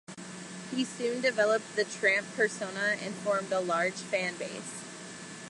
He soon developed the Tramp persona and formed a large fan base.